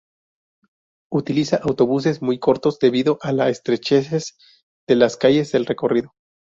Utiliza autobuses muy cortos debido a la estrechez de las calles del recorrido.